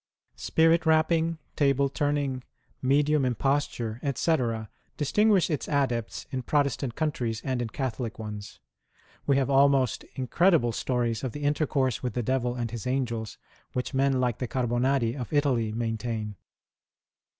Spirit rapping, table turning, medium imposture, etc., dis . tinguish its adepts in Protestant countries and in Catholic ones. We have almost incredible stories of the intercourse with the devil and his angels, which men like the Carbonari of Italy maintain.